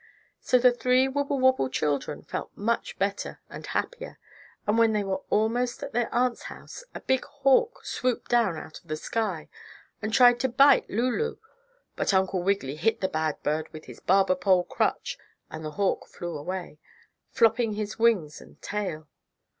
So the three Wibblewobble children felt much better and happier, and when they were almost at their aunt's house, a big hawk swooped down out of the sky and tried to bite Lulu. But Uncle Wiggily hit the bad bird with his barber pole crutch, and the hawk flew away, flopping his wings and tail.